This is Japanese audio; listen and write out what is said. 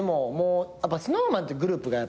ＳｎｏｗＭａｎっていうグループが。